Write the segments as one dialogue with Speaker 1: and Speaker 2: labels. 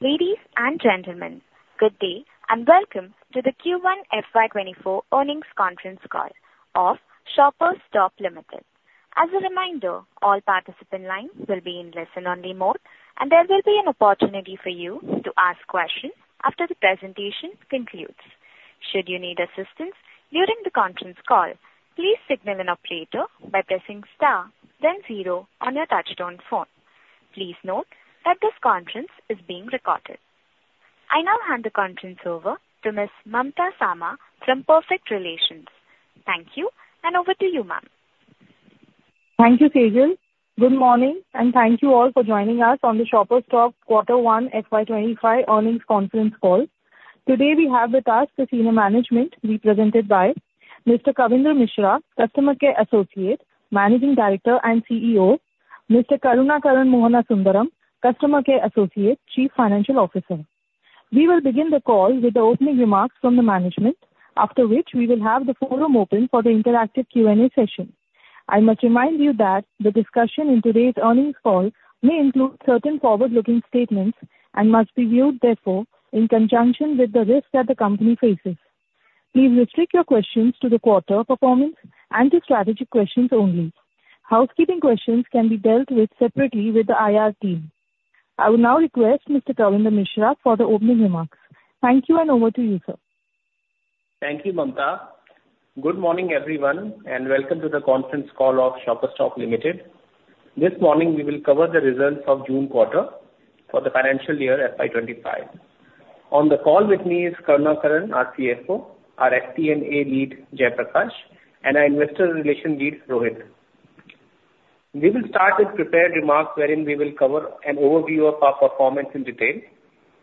Speaker 1: Ladies and gentlemen, good day, and welcome to the Q1 FY 2024 earnings conference call of Shoppers Stop Limited. As a reminder, all participant lines will be in listen only mode, and there will be an opportunity for you to ask questions after the presentation concludes. Should you need assistance during the conference call, please signal an operator by pressing star then zero on your touchtone phone. Please note that this conference is being recorded. I now hand the conference over to Ms. Mamta Samat from Perfect Relations. Thank you, and over to you, ma'am.
Speaker 2: Thank you, Sejal. Good morning, and thank you all for joining us on the Shoppers Stop Quarter 1 FY 2025 earnings conference call. Today, we have with us the senior management represented by Mr. Kavindra Mishra, Customer Care Associate, Managing Director and CEO, Mr. Karunakaran Mohanasundaram, Customer Care Associate, Chief Financial Officer. We will begin the call with the opening remarks from the management, after which we will have the forum open for the interactive Q&A session. I must remind you that the discussion in today's earnings call may include certain forward-looking statements and must be viewed therefore, in conjunction with the risks that the company faces. Please restrict your questions to the quarter performance and to strategic questions only. Housekeeping questions can be dealt with separately with the IR team. I will now request Mr. Kavindra Mishra for the opening remarks. Thank you, and over to you, sir.
Speaker 3: Thank you, Mamta. Good morning, everyone, and welcome to the conference call of Shoppers Stop Limited. This morning, we will cover the results of June quarter for the financial year FY 2025. On the call with me is Karunakaran, our CFO, our FP&A lead, Jayaprakash, and our investor relations lead, Rohit. We will start with prepared remarks wherein we will cover an overview of our performance in detail.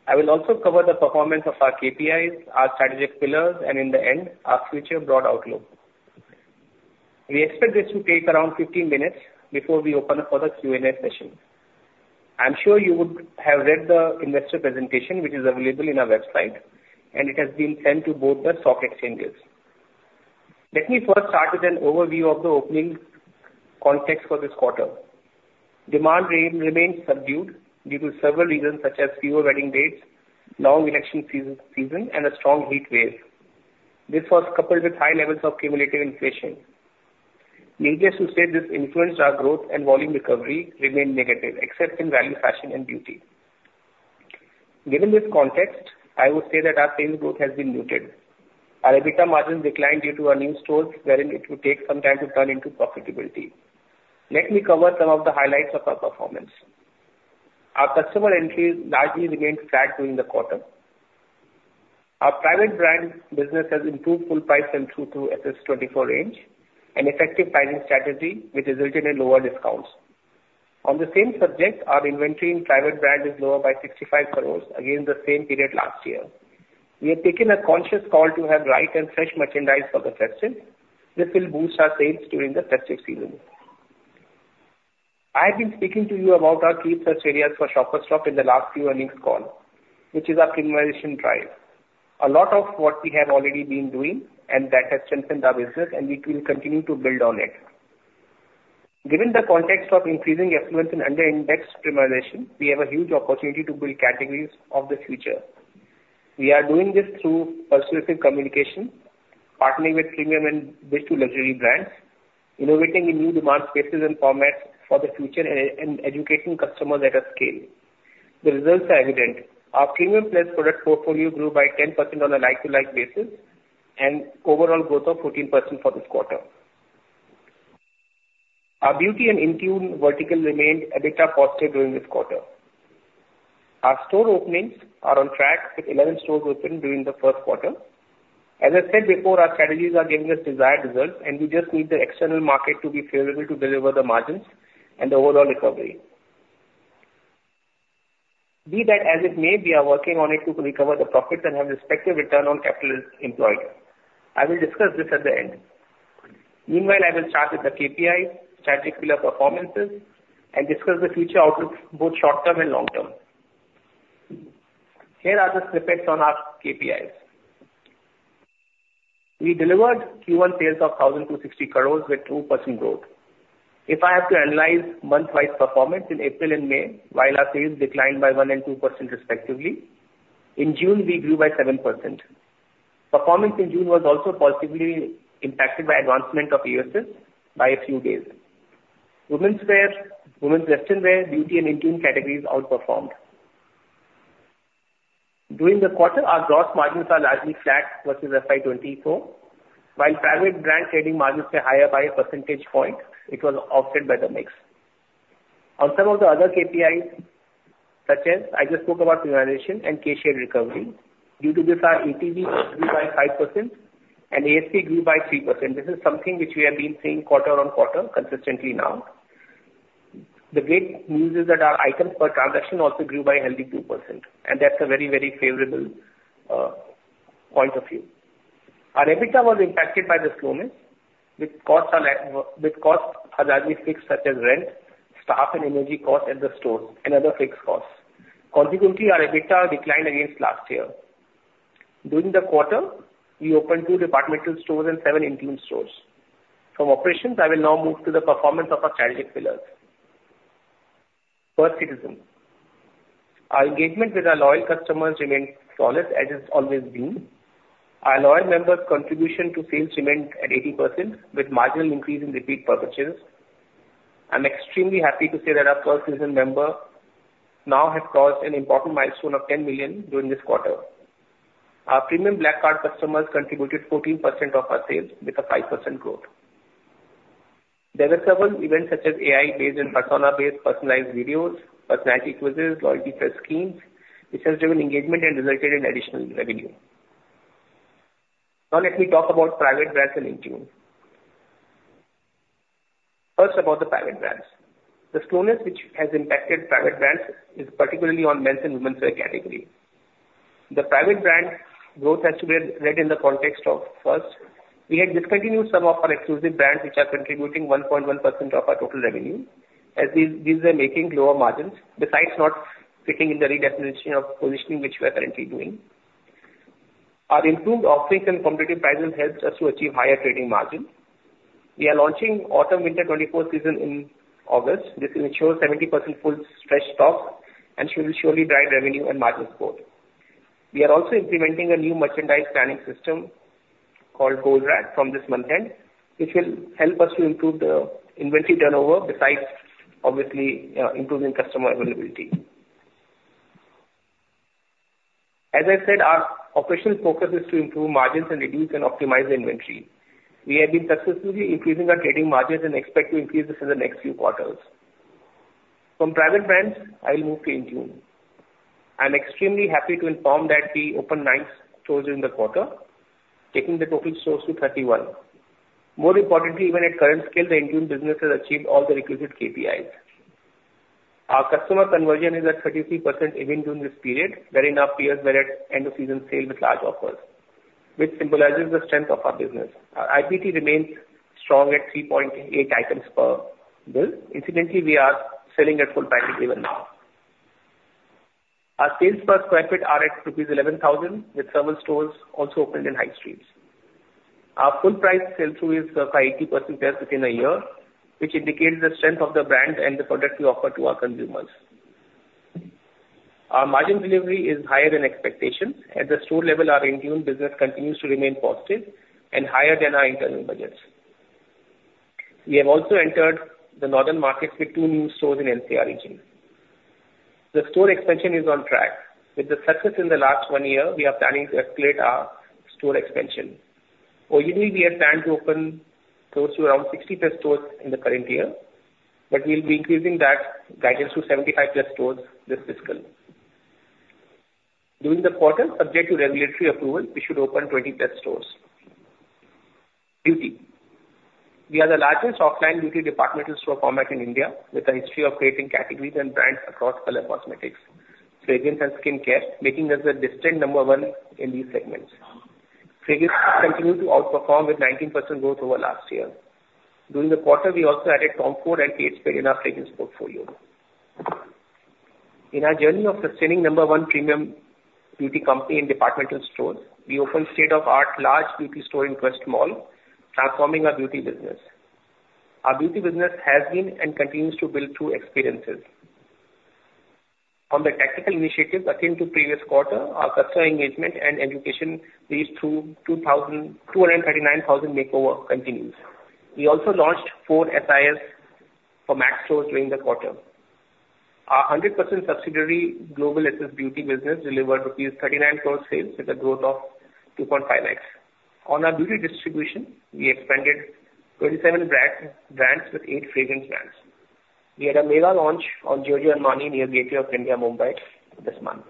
Speaker 3: I will also cover the performance of our KPIs, our strategic pillars, and in the end, our future broad outlook. We expect this to take around 15 minutes before we open up for the Q&A session. I'm sure you would have read the investor presentation, which is available in our website, and it has been sent to both the stock exchanges. Let me first start with an overview of the opening context for this quarter. Demand remains subdued due to several reasons, such as fewer wedding dates, long election season, and a strong heat wave. This was coupled with high levels of cumulative inflation. Make us say this influenced our growth and volume recovery remained negative, except in value fashion and beauty. Given this context, I would say that our sales growth has been muted. Our EBITDA margins declined due to our new stores, wherein it will take some time to turn into profitability. Let me cover some of the highlights of our performance. Our customer entries largely remained flat during the quarter. Our private brand business has improved full price and through to FY 2024 range, an effective pricing strategy which has resulted in lower discounts. On the same subject, our inventory in private brand is lower by 65 crore against the same period last year. We have taken a conscious call to have right and fresh merchandise for the festive. This will boost our sales during the festive season. I have been speaking to you about our key search areas for Shoppers Stop in the last few earnings call, which is our premiumization drive. A lot of what we have already been doing and that has strengthened our business and we will continue to build on it. Given the context of increasing affluence in under-indexed premiumization, we have a huge opportunity to build categories of the future. We are doing this through persuasive communication, partnering with premium and digital luxury brands, innovating in new demand spaces and formats for the future, and educating customers at a scale. The results are evident. Our premium plus product portfolio grew by 10% on a like-for-like basis and overall growth of 14% for this quarter. Our Beauty and INTUNE vertical remained EBITDA positive during this quarter. Our store openings are on track, with 11 stores opened during the Quarter 1. As I said before, our strategies are giving us desired results, and we just need the external market to be favorable to deliver the margins and the overall recovery. Be that as it may, we are working on it to recover the profits and have respective return on capital employed. I will discuss this at the end. Meanwhile, I will start with the KPIs, strategic pillar performances, and discuss the future outlook, both short term and long term. Here are the snippets on our KPIs. We delivered Q1 sales of 1,260 crores with 2% growth. If I have to analyze month-wise performance in April and May, while our sales declined by 1% and 2% respectively, in June, we grew by 7%. Performance in June was also positively impacted by advancement of EOSS by a few days. Women's wear, women's western wear, beauty and INTUNE categories outperformed. During the quarter, our gross margins are largely flat versus FY 2024. While private brand trading margins were higher by a percentage point, it was offset by the mix. On some of the other KPIs, such as I just spoke about premiumization and K-shaped recovery. Due to this, our ATV grew by 5% and ASP grew by 3%. This is something which we have been seeing quarter-on-quarter consistently now. The great news is that our items per transaction also grew by a healthy 2%, and that's a very, very favorable point of view. Our EBITDA was impacted by the slowness, with costs are largely fixed, such as rent, staff and energy costs at the store and other fixed costs. Consequently, our EBITDA declined against last year. During the quarter, we opened two department stores and seven in-tune stores. From operations, I will now move to the performance of our strategic pillars. First Citizen. Our engagement with our loyal customers remains solid, as it's always been. Our loyal members' contribution to sales remained at 80%, with marginal increase in repeat purchases. I'm extremely happy to say that our First Citizen member now has crossed an important milestone of 10 million during this quarter. Our premium Black Card customers contributed 14% of our sales, with a 5% growth. There were several events such as AI-based and persona-based personalized videos, personality quizzes, loyalty plus schemes, which has driven engagement and resulted in additional revenue. Now, let me talk about private brands and INTUNE. First, about the private brands. The slowness which has impacted private brands is particularly on men's and women's wear category. The private brand growth has to be read in the context of, first, we had discontinued some of our exclusive brands, which are contributing 1.1% of our total revenue, as these are making lower margins, besides not fitting in the redefinition of positioning, which we are currently doing. Our improved offerings and competitive pricing helped us to achieve higher trading margins. We are launching Autumn/Winter 2024 season in August. This will ensure 70% full fresh stock and should surely drive revenue and margins growth. We are also implementing a new merchandise planning system called Goldratt from this month end, which will help us to improve the inventory turnover, besides obviously, improving customer availability. As I said, our operational focus is to improve margins and reduce and optimize the inventory. We have been successfully increasing our trading margins and expect to increase this in the next few quarters. From private brands, I'll move to In tune. I'm extremely happy to inform that we opened nine stores during the quarter, taking the total stores to 31. More importantly, even at current scale, the In tune business has achieved all the requisite KPIs. Our customer conversion is at 33% even during this period, wherein our peers were at end of season sale with large offers, which symbolizes the strength of our business. Our IPT remains strong at 3.8 items per bill. Incidentally, we are selling at full pricing even now. Our sales per square feet are at rupees 11,000, with several stores also opened in high streets. Our full price sell-through is by 80% year-over-year, which indicates the strength of the brand and the product we offer to our consumers. Our margin delivery is higher than expectation. At the store level, our In tune business continues to remain positive and higher than our internal budgets. We have also entered the northern markets with two new stores in NCR region. The store expansion is on track. With the success in the last one year, we are planning to escalate our store expansion. Originally, we had planned to open close to around 60+ stores in the current year, but we'll be increasing that guidance to 75+ stores this fiscal. During the quarter, subject to regulatory approval, we should open 20+ stores. Beauty. We are the largest offline beauty departmental store format in India, with a history of creating categories and brands across color cosmetics, fragrance, and skincare, making us a distinct number one in these segments. Fragrance continue to outperform with 19% growth over last year. During the quarter, we also added Tom Ford and Kate Spade in our fragrance portfolio. In our journey of sustaining number one premium beauty company in departmental stores, we opened state-of-the-art large beauty store in Quest Mall, transforming our beauty business. Our beauty business has been and continues to build through experiences. On the tactical initiatives akin to previous quarter, our customer engagement and education reached to 239,000 makeovers continued. We also launched four SIS for MAC stores during the quarter. Our 100% subsidiary, Global SS Beauty Brands Limited, delivered rupees 39 crore sales with a growth of 2.5x. On our beauty distribution, we expanded 27 brands with eight fragrance brands. We had a mega launch on Giorgio Armani, near Gateway of India, Mumbai, this month.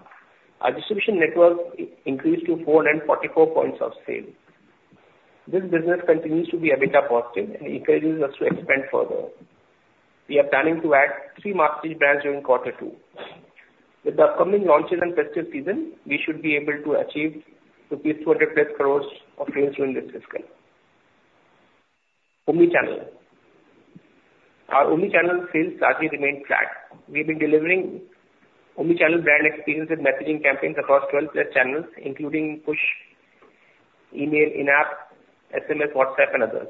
Speaker 3: Our distribution network increased to 444 points of sale. This business continues to be EBITDA positive and encourages us to expand further. We are planning to add three prestige brands during Quarter 2. With the upcoming launches and festive season, we should be able to achieve rupees 200+ crore of sales during this fiscal. Omnichannel. Our omnichannel sales largely remained flat. We've been delivering omnichannel brand experience with messaging campaigns across 12+ channels, including push, email, in-app, SMS, WhatsApp, and others.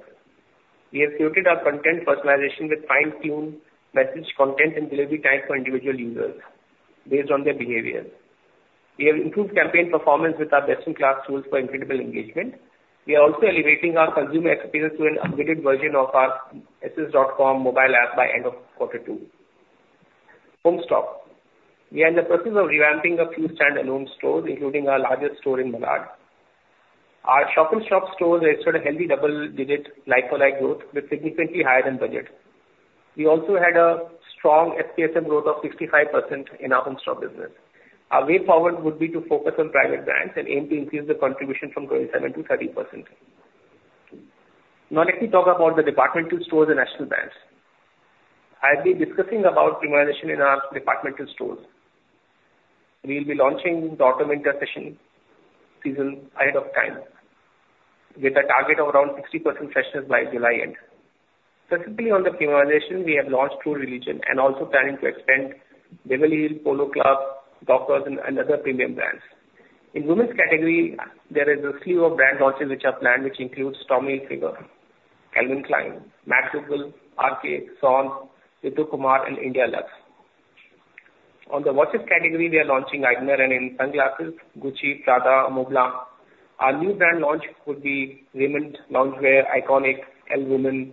Speaker 3: We have curated our content personalization with fine-tuned message content and delivery time for individual users based on their behavior. We have improved campaign performance with our best-in-class tools for incredible engagement. We are also elevating our consumer experience to an upgraded version of our shoppersstop.com mobile app by end of Quarter 2. HomeStop. We are in the process of revamping a few standalone stores, including our largest store in Malad. Our shop-in-shop stores registered a healthy double-digit like-for-like growth, with significantly higher than budget. We also had a strong SPSM growth of 65% in our HomeStop business. Our way forward would be to focus on private brands and aim to increase the contribution from 27% to 30%. Now, let me talk about the department stores and national brands. I've been discussing about premiumization in our department stores. We'll be launching the autumn winter session season ahead of time, with a target of around 60% freshness by July end. Specifically, on the premiumization, we have launched True Religion and also planning to extend Beverly Hills Polo Club, Dockers, and, and other premium brands. In women's category, there is a slew of brand launches which are planned, which includes Tommy Hilfiger, Calvin Klein, Mac Duggal, aarke, Saundh, Ritu Kumar, and Indya Luxe. On the watches category, we are launching Aigner, and in sunglasses, Gucci, Prada, Montblanc. Our new brand launch would be Raymond Loungewear, Iconic, Elle,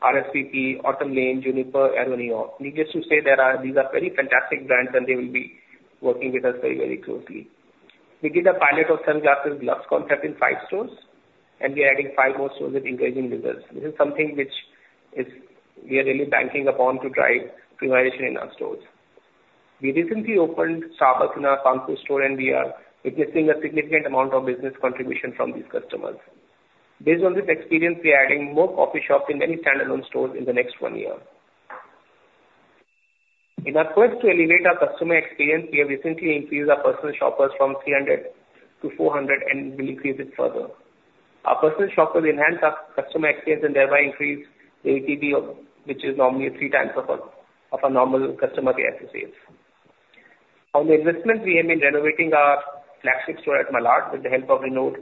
Speaker 3: RSVP, Autumn Lane, Juniper, and Arrow New York. Needless to say, there are these are very fantastic brands, and they will be working with us very, very closely. We did a pilot of sunglasses luxe concept in five stores, and we are adding five more stores with encouraging results. This is something which is we are really banking upon to drive premiumization in our stores. We recently opened Starbucks in our Kanpur store, and we are witnessing a significant amount of business contribution from these customers. Based on this experience, we are adding more coffee shops in many standalone stores in the next one year. In our quest to elevate our customer experience, we have recently increased our personal shoppers from 300 to 400 and will increase it further. Our personal shoppers enhance our customer experience and thereby increase the ATV, of which is normally three times of our normal customer ASP. On the investment, we have been renovating our flagship store at Malad with the help of renowned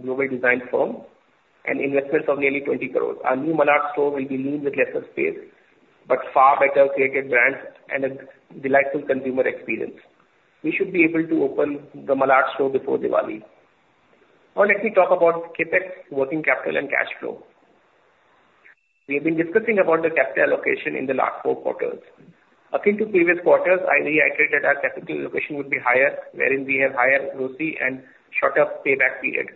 Speaker 3: global design firm and investments of nearly 20 crore. Our new Malad store will be lean with lesser space, but far better curated brands and a delightful consumer experience. We should be able to open the Malad store before Diwali. Now let me talk about CapEx, working capital, and cash flow. We have been discussing about the capital allocation in the last four quarters. Akin to previous quarters, I reiterated that our capital allocation would be higher, wherein we have higher ROCE and shorter payback period.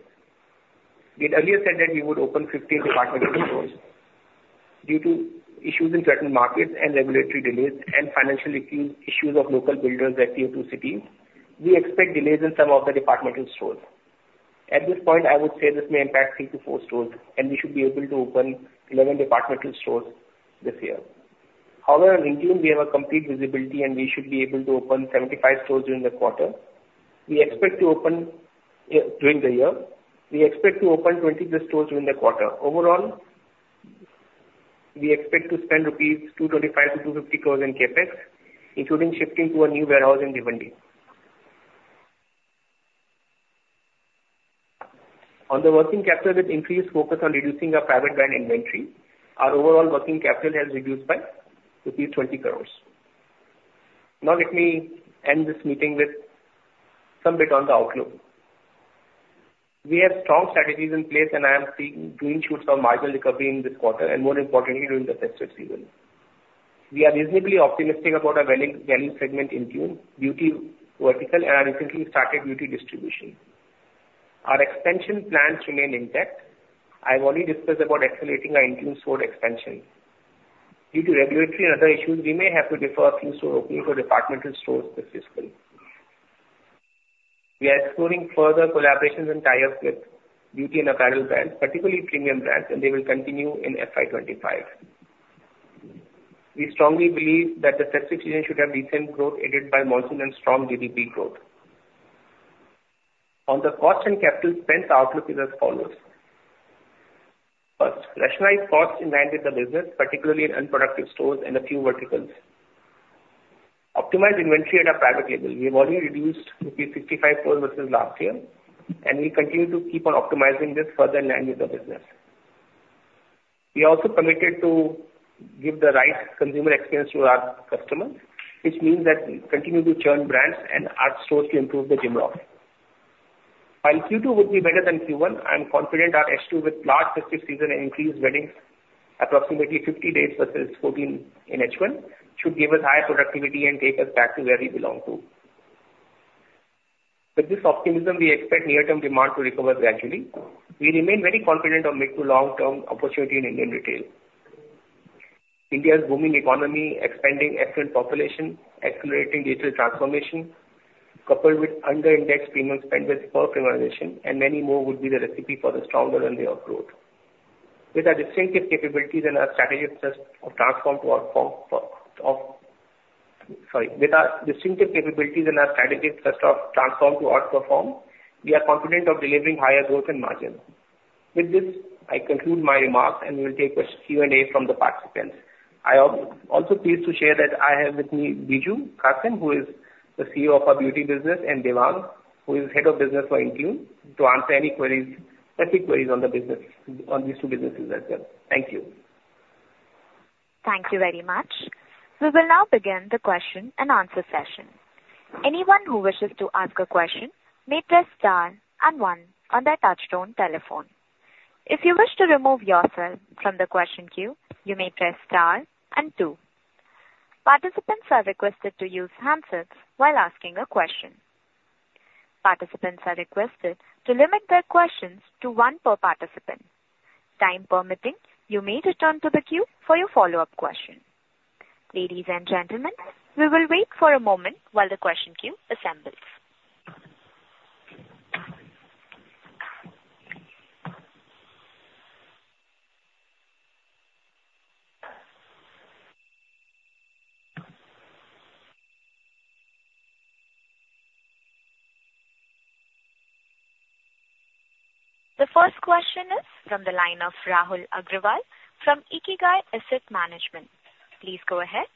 Speaker 3: We had earlier said that we would open 15 departmental stores. Due to issues in certain markets and regulatory delays and financial issues of local builders at Tier 2 cities, we expect delays in some of the departmental stores. At this point, I would say this may impact 3-4 stores, and we should be able to open 11 departmental stores this year. However, in June, we have a complete visibility, and we should be able to open 75 stores during the quarter. We expect to open during the year. We expect to open 20+ stores during the quarter. Overall, we expect to spend rupees 225- rupees 250 crores in CapEx, including shifting to a new warehouse in Bhiwandi. On the working capital, with increased focus on reducing our private brand inventory, our overall working capital has reduced by rupees 20 crores. Now, let me end this meeting with some bit on the outlook. We have strong strategies in place, and I am seeing green shoots of marginal recovery in this quarter and, more importantly, during the festive season. We are reasonably optimistic about our wedding segment in June, beauty vertical, and our recently started beauty distribution. Our expansion plans remain intact. I've already discussed about accelerating our INTUNE store expansion. Due to regulatory and other issues, we may have to defer a few store openings for department stores this fiscal. We are exploring further collaborations and tie-ups with beauty and apparel brands, particularly premium brands, and they will continue in FY 2025. We strongly believe that the festive season should have decent growth, aided by monsoon and strong GDP growth. On the cost and capital spend, the outlook is as follows: First, rationalize costs in line with the business, particularly in unproductive stores and a few verticals. Optimize inventory at our private label. We have already reduced 65 crore versus last year, and we continue to keep on optimizing this further in line with the business. We are also committed to give the right consumer experience to our customers, which means that we continue to churn brands and add stores to improve the GMROI. While Q2 would be better than Q1, I am confident our H2, with large festive season and increased weddings, approximately 50 dates versus 14 in H1, should give us higher productivity and take us back to where we belong to. With this optimism, we expect near-term demand to recover gradually. We remain very confident of mid to long-term opportunity in Indian retail. India's booming economy, expanding affluent population, accelerating digital transformation, coupled with under-indexed premium spend with power premiumization and many more, would be the recipe for the stronger than the off growth. With our distinctive capabilities and our strategic test of transform to our perform for, of- sorry, with our distinctive capabilities and our strategic test of transform to outperform, we are confident of delivering higher growth and margin. With this, I conclude my remarks, and we will take Q&A from the participants. I am also pleased to share that I have with me Biju Kassim, who is the CEO of our beauty business, and Devang, who is Head of Business for INTUNE, to answer any queries, specific queries on the business, on these two businesses as well. Thank you.
Speaker 1: Thank you very much. We will now begin the question and answer session. Anyone who wishes to ask a question may press star and one on their touchtone telephone. If you wish to remove yourself from the question queue, you may press star and two. Participants are requested to use handsets while asking a question. Participants are requested to limit their questions to one per participant. Time permitting, you may return to the queue for your follow-up question. Ladies and gentlemen, we will wait for a moment while the question queue assembles. The first question is from the line of Rahul Agrawal from Ikigai Asset Management. Please go ahead.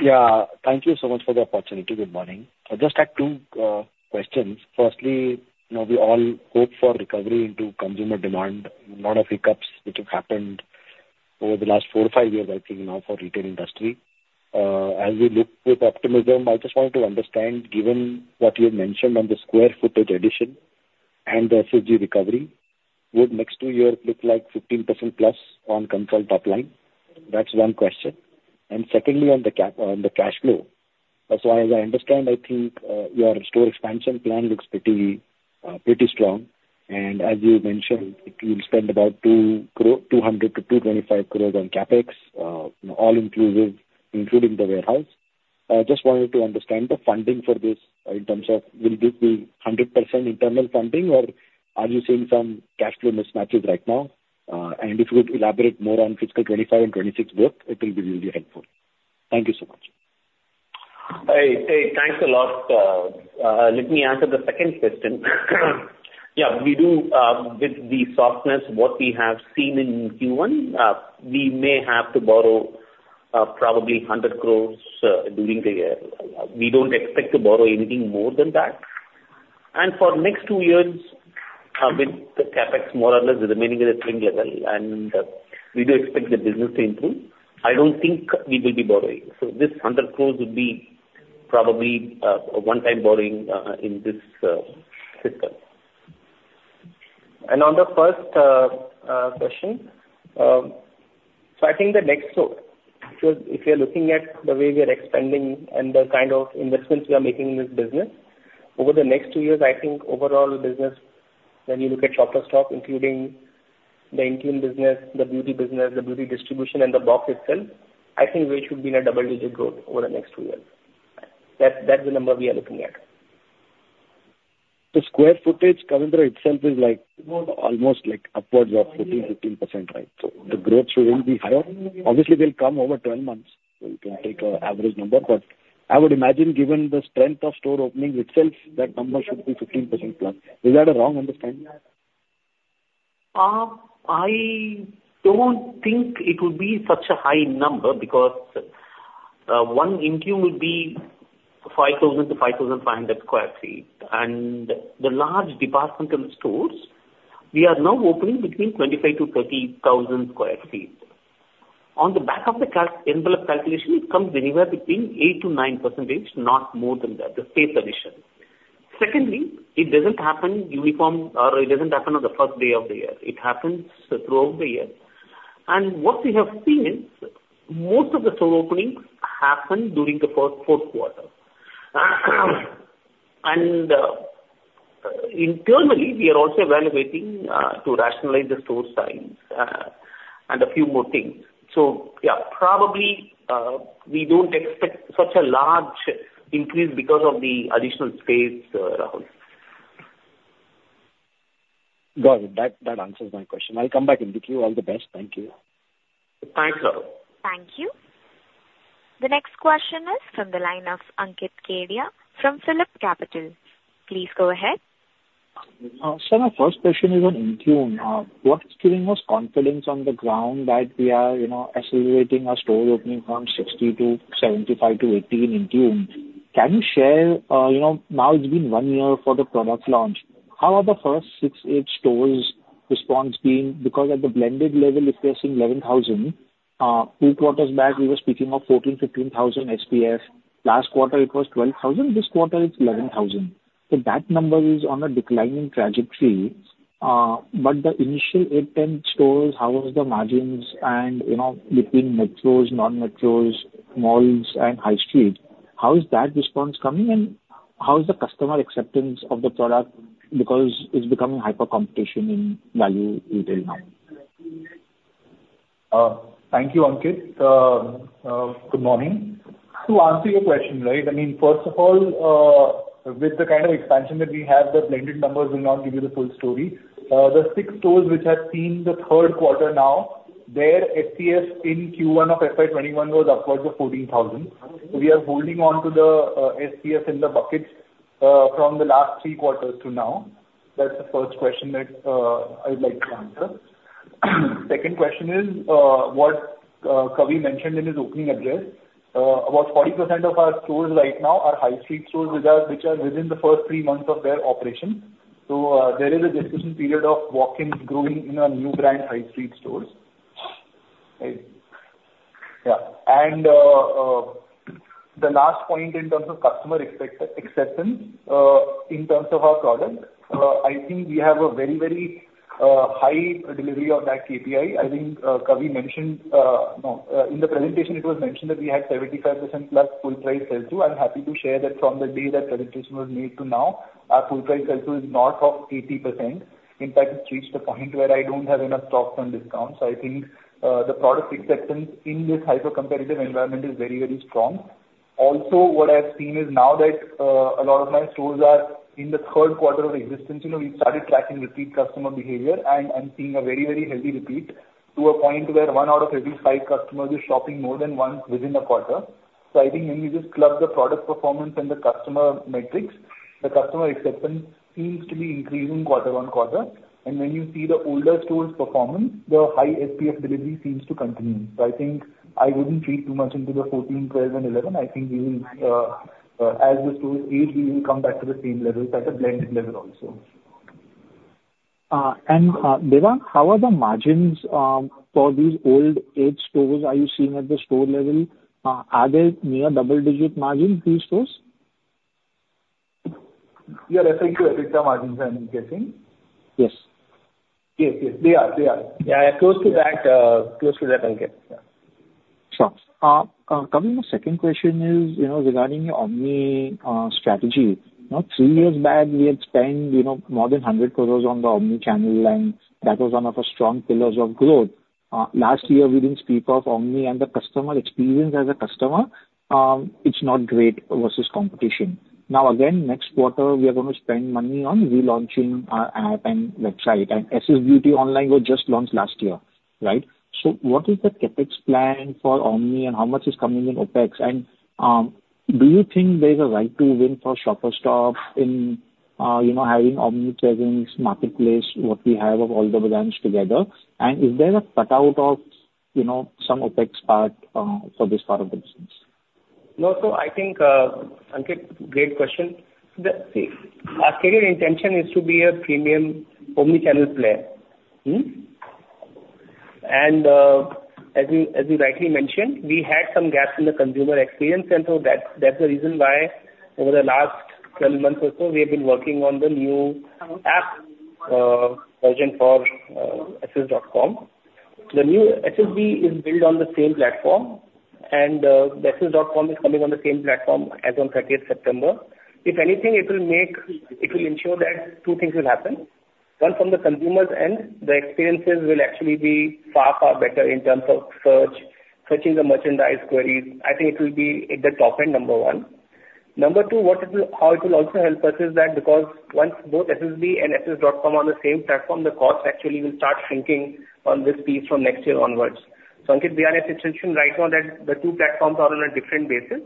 Speaker 4: Yeah, thank you so much for the opportunity. Good morning. I just had two questions. Firstly, you know, we all hope for recovery into consumer demand, lot of hiccups which have happened over the last four or five years, I think, now for retail industry. As we look with optimism, I just wanted to understand, given what you had mentioned on the square footage addition and the FCG recovery, would next two year look like 15% plus on control top line? That's one question. And secondly, on the cash flow. So as I understand, I think, your store expansion plan looks pretty strong, and as you mentioned, it will spend about 200-225 crore on CapEx, all inclusive, including the warehouse. I just wanted to understand the funding for this in terms of, will this be 100% internal funding, or are you seeing some cash flow mismatches right now? And if you could elaborate more on fiscal 2025 and 2026 work, it will be really helpful. Thank you so much.
Speaker 3: Hey, hey, thanks a lot. Let me answer the second question. Yeah, we do, with the softness what we have seen in Q1, we may have to borrow probably 100 crore during the year. We don't expect to borrow anything more than that. And for next two years, with the CapEx more or less remaining at the same level, and we do expect the business to improve, I don't think we will be borrowing. So this 100 crore would be probably a one-time borrowing in this fiscal. On the first question, so I think the next store, if you're, if you're looking at the way we are expanding and the kind of investments we are making in this business, over the next two years, I think overall business, when you look at Shoppers Stop, including the INTUNE business, the beauty business, the beauty distribution, and the box itself, I think we should be in a double-digit growth over the next two years. That's the number we are looking at.
Speaker 4: The square footage coming through itself is like almost like upwards of 14%, 15%, right? So the growth will be higher. Obviously, they'll come over 12 months, so you can take an average number, but I would imagine, given the strength of store openings itself, that number should be 15%+. Is that a wrong understanding?
Speaker 3: I don't think it will be such a high number because, one INTUNE will be 5,000sq ft-5,500 sq ft. And the large departmental stores, we are now opening between 25,000 sq ft-30,000 sq ft. On the back of the back-of-the-envelope calculation, it comes anywhere between 8%-9%, not more than that, the space addition. Secondly, it doesn't happen uniform, or it doesn't happen on the first day of the year. It happens throughout the year. And what we have seen is, most of the store openings happen during the first Q4. And, internally, we are also evaluating, to rationalize the store size, and a few more things. So yeah, probably, we don't expect such a large increase because of the additional space, Rahul.
Speaker 4: Got it. That, that answers my question. I'll come back in the queue. All the best. Thank you.
Speaker 3: Thanks, Rahul.
Speaker 1: Thank you. The next question is from the line of Ankit Kedia from PhillipCapital. Please go ahead.
Speaker 4: So my first question is on INTUNE. What is giving us confidence on the ground that we are, you know, accelerating our store opening from 60 to 75 to 80 in INTUNE? Can you share, you know, now it's been one year for the product launch, how are the first six, eight stores response been? Because at the blended level, if you're seeing 11,000, two quarters back, we were speaking of 14,000, 15,000 SPSM. Last quarter, it was 12,000. This quarter, it's 11,000. So that number is on a declining trajectory. But the initial eight, ten stores, how is the margins and, you know, between metros, non-metros, malls, and high street, how is that response coming, and how is the customer acceptance of the product? Because it's becoming hyper competition in value retail now.
Speaker 3: Thank you, Ankit. Good morning. To answer your question, right, I mean, first of all, with the kind of expansion that we have, the blended numbers will not give you the full story. The six stores which have seen the Quarter 3 now, their SPSF in Q1 of FY 2021 was upwards of 14,000. We are holding on to the SPSF in the buckets from the last three quarters to now. That's the first question that I'd like to answer. Second question is what Kavi mentioned in his opening address. About 40% of our stores right now are high street stores, which are within the first three months of their operation. So there is a discussion period of walk-ins growing in our new brand high street stores. Right? Yeah. The last point in terms of customer acceptance, in terms of our product, I think we have a very, very high delivery on that KPI. I think, Kavi mentioned, no, in the presentation, it was mentioned that we had 75% plus full price sell-through. I'm happy to share that from the day that presentation was made to now, our full price sell-through is north of 80%. In fact, it's reached the point where I don't have enough stocks on discount. So I think, the product acceptance in this hyper-competitive environment is very, very strong. Also, what I've seen is now that a lot of my stores are in the Quarter 3 of existence, you know, we've started tracking repeat customer behavior and seeing a very, very healthy repeat, to a point where one out of every five customers is shopping more than once within a quarter. So I think when we just club the product performance and the customer metrics... The customer acceptance seems to be increasing quarter on quarter, and when you see the older stores' performance, the high SPSM delivery seems to continue. So I think I wouldn't read too much into the 14, 12, and 11. I think we will, as the stores age, we will come back to the same level, at the blended level also.
Speaker 4: Devang, how are the margins for these older stores? Are you seeing at the store level, are they near double-digit margin, these stores?
Speaker 5: You are referring to EBITDA margins, I'm guessing?
Speaker 4: Yes.
Speaker 5: Yes, yes, they are. They are. Yeah, close to that, close to that, I'll get, yeah.
Speaker 6: Sure. Coming to second question is, you know, regarding your omni strategy. Now, three years back, we had spent, you know, more than 100 crore on the omni channel, and that was one of the strong pillars of growth. Last year, we didn't speak of omni and the customer experience as a customer. It's not great versus competition. Now, again, next quarter, we are gonna spend money on relaunching our app and website, and SS Beauty Online was just launched last year, right? So what is the CapEx plan for omni, and how much is coming in OpEx? Do you think there's a right to win for Shoppers Stop in, you know, having omni channels, marketplace, what we have of all the brands together, and is there a cut out of, you know, some OpEx part, for this part of the business?
Speaker 3: No. So I think, Ankit, great question. See, our stated intention is to be a premium omni-channel player. And, as you rightly mentioned, we had some gaps in the consumer experience, and so that's the reason why over the last 12 months or so, we have been working on the new app version for ss.com. The new SSB is built on the same platform, and the ss.com is coming on the same platform as on 30th September. If anything, it will ensure that two things will happen. One, from the consumer's end, the experiences will actually be far, far better in terms of search, searching the merchandise queries. I think it will be at the top end, number one. Number two, what it will- how it will also help us is that because once both SSB and ss.com are on the same platform, the costs actually will start shrinking on this piece from next year onwards. So Ankit, to be honest, essentially right now, that the two platforms are on a different basis.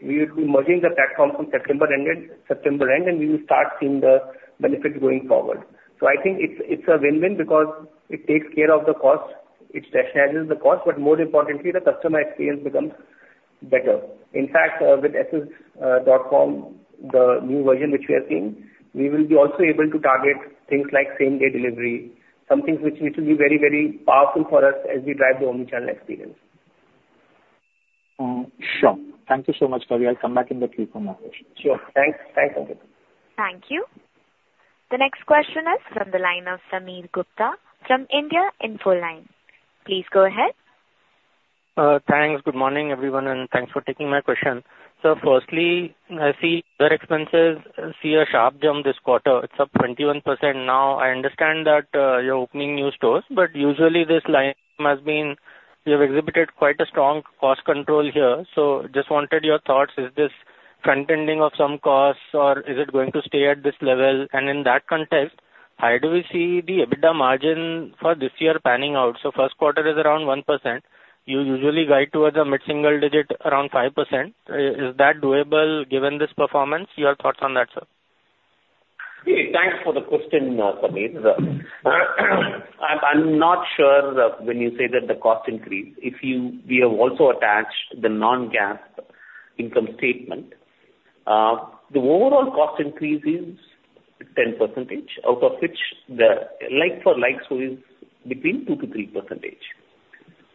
Speaker 3: We will be merging the platforms on September end, and we will start seeing the benefits going forward. So I think it's a win-win because it takes care of the costs, it rationalizes the costs, but more importantly, the customer experience becomes better. In fact, with ss dot com, the new version which we are seeing, we will be also able to target things like same-day delivery, some things which will be very, very powerful for us as we drive the omni-channel experience.
Speaker 6: Sure. Thank you so much, Kavi. I'll come back in the queue for more questions.
Speaker 3: Sure. Thanks. Thanks, Ankit.
Speaker 1: Thank you. The next question is from the line of Sameer Gupta from India Infoline. Please go ahead.
Speaker 7: Thanks. Good morning, everyone, and thanks for taking my question. So firstly, I see your expenses see a sharp jump this quarter. It's up 21%. Now, I understand that you're opening new stores, but usually this line has been, you have exhibited quite a strong cost control here. So just wanted your thoughts, is this front-ending of some costs, or is it going to stay at this level? And in that context, how do we see the EBITDA margin for this year panning out? So Quarter 1 is around 1%. You usually guide towards a mid-single digit, around 5%. Is that doable given this performance? Your thoughts on that, sir.
Speaker 3: Okay, thanks for the question, Sameer. I'm, I'm not sure when you say that the cost increased. If you, we have also attached the non-GAAP income statement. The overall cost increase is 10%, out of which the like-for-likes is between 2%-3%.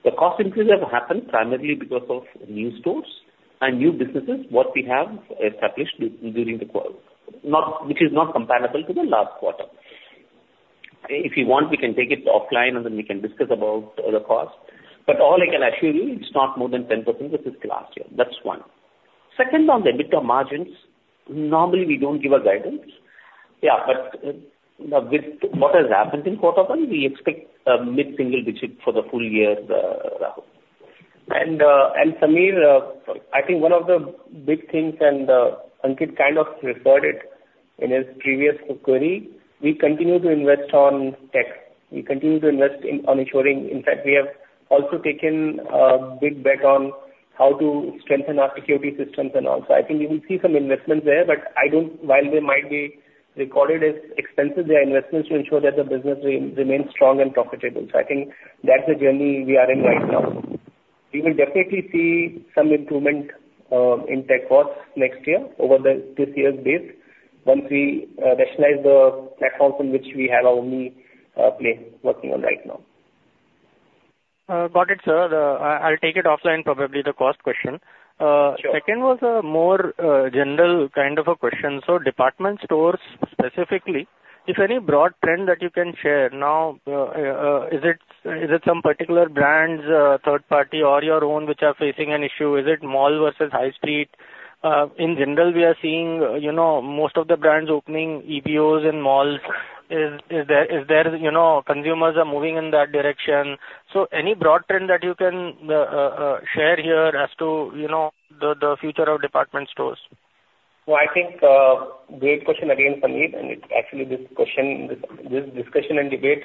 Speaker 3: The cost increases have happened primarily because of new stores and new businesses, what we have established during the quarter, not, which is not comparable to the last quarter. If you want, we can take it offline, and then we can discuss about the cost. But all I can assure you, it's not more than 10%, which is last year. That's one. Second, on the EBITDA margins, normally we don't give a guidance. Yeah, but with what has happened in Quarter 1, we expect a mid-single digit for the full year. And, and Sameer, I think one of the big things, and, Ankit kind of referred it in his previous query, we continue to invest on tech. We continue to invest in, on ensuring. In fact, we have also taken a big bet on how to strengthen our security systems and all. So I think you will see some investments there, but I don't. While they might be recorded as expenses, they are investments to ensure that the business remains strong and profitable. So I think that's the journey we are in right now. We will definitely see some improvement in tech costs next year over this year's base, once we rationalize the platforms on which we have our omni plan working on right now.
Speaker 7: Got it, sir. I'll take it offline, probably the cost question.
Speaker 3: Sure.
Speaker 7: Second was a more general kind of a question. So department stores, specifically, if any broad trend that you can share now, is it some particular brands, third party or your own, which are facing an issue? Is it mall versus high street? In general, we are seeing, you know, most of the brands opening EBOs in malls. Is there, you know, consumers are moving in that direction. So any broad trend that you can share here as to, you know, the future of department stores?
Speaker 3: Well, I think great question again, Sameer, and it's actually this question, this discussion and debate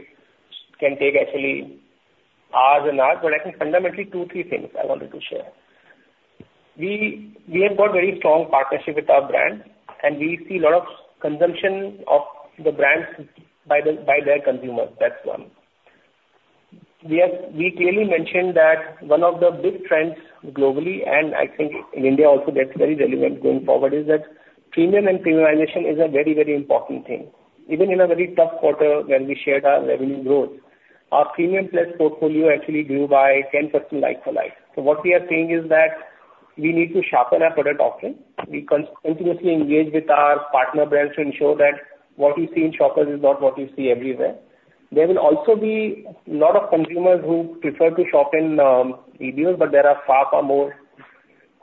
Speaker 3: can take actually hours and hours, but I think fundamentally two, three things I wanted to share. We have got very strong partnership with our brands, and we see a lot of consumption of the brands by their consumers. That's one. We clearly mentioned that one of the big trends globally, and I think in India also that's very relevant going forward, is that premium and premiumization is a very, very important thing. Even in a very tough quarter when we shared our revenue growth, our premium plus portfolio actually grew by 10% like for like. So what we are saying is that we need to sharpen our product offering. We continuously engage with our partner brands to ensure that what you see in Shoppers is not what you see everywhere. There will also be a lot of consumers who prefer to shop in EBOs, but there are far, far more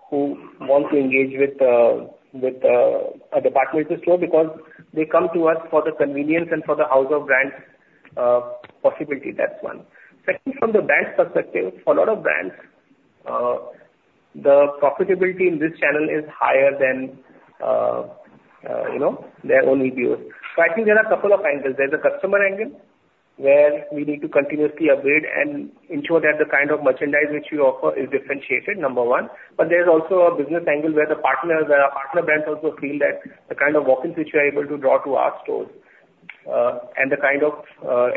Speaker 3: who want to engage with a departmental store because they come to us for the convenience and for the house of brands possibility. That's one. Secondly, from the brand perspective, for a lot of brands, the profitability in this channel is higher than you know their own EBOs. So I think there are a couple of angles. There's a customer angle, where we need to continuously upgrade and ensure that the kind of merchandise which we offer is differentiated, number one. But there's also a business angle, where the partners, the partner brands also feel that the kind of walk-ins which we are able to draw to our stores, and the kind of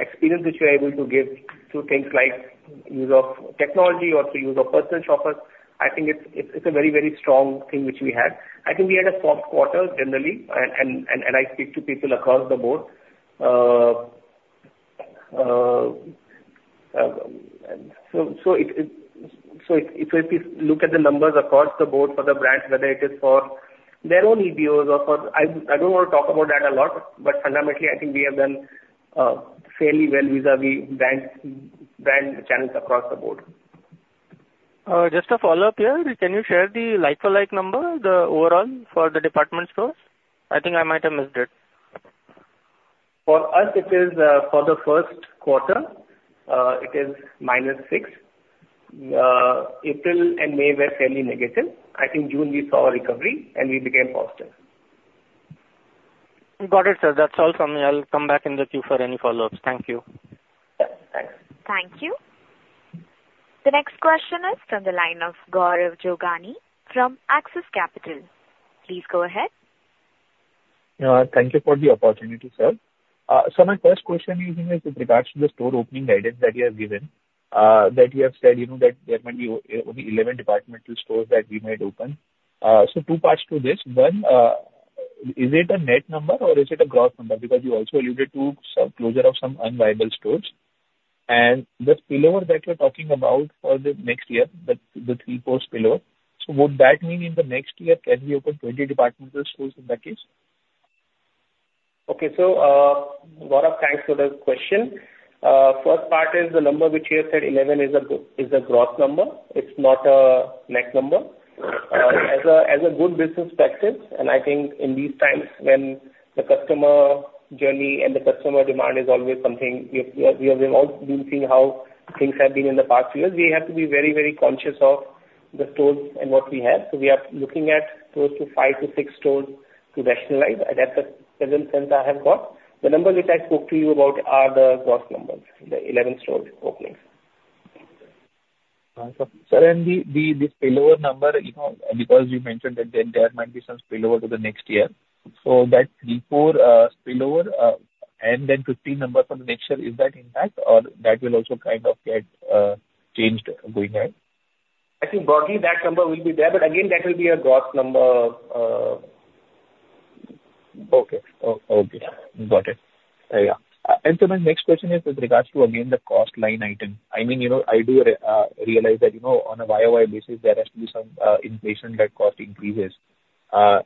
Speaker 3: experience which we are able to give through things like use of technology or through use of personal shoppers, I think it's a very, very strong thing which we have. I think we had a soft quarter generally, and I speak to people across the board. So if we look at the numbers across the board for the brands, whether it is for their own EDOs or for... I don't want to talk about that a lot, but fundamentally, I think we have done fairly well vis-à-vis brand channels across the board.
Speaker 7: Just a follow-up here. Can you share the like-for-like number, the overall for the department stores? I think I might have missed it.
Speaker 3: For us, it is for the Quarter 1 is -6. April and May were fairly negative. I think June we saw a recovery, and we became positive.
Speaker 7: Got it, sir. That's all from me. I'll come back in the queue for any follow-ups. Thank you.
Speaker 3: Yeah, thanks.
Speaker 1: Thank you. The next question is from the line of Gaurav Jogani from Axis Capital. Please go ahead.
Speaker 8: Yeah, thank you for the opportunity, sir. So my first question is with regards to the store opening guidance that you have given, that you have said, you know, that there might be only 11 departmental stores that we might open. So two parts to this. One, is it a net number or is it a gross number? Because you also alluded to some closure of some unviable stores. And the spillover that you're talking about for the next year, the 3-4 spillover, so would that mean in the next year, can we open 20 departmental stores in that case?
Speaker 3: Okay. So, Gaurav, thanks for the question. First part is the number which you have said, 11, is a gross number. It's not a net number. As a good business practice, and I think in these times when the customer journey and the customer demand is always something, we have all been seeing how things have been in the past years. We have to be very, very conscious of the stores and what we have. So we are looking at close to 5-6 stores to rationalize, and that's the present sense I have got. The numbers which I spoke to you about are the gross numbers, the 11 store openings.
Speaker 8: Sir, the spillover number, you know, because you mentioned that then there might be some spillover to the next year. So that 3-4 spillover, and then 15 number from next year, is that intact, or that will also kind of get changed going ahead?
Speaker 3: I think broadly that number will be there, but again, that will be a gross number.
Speaker 8: Okay. Okay, got it. Yeah. So my next question is with regards to, again, the cost line item. I mean, you know, I do realize that, you know, on a YOY basis, there has to be some inflation that cost increases,